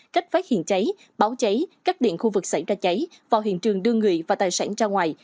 cách phát hiện cháy báo cháy cắt điện khu vực xảy ra cháy vào hiện trường đưa người và tài sản ra ngoài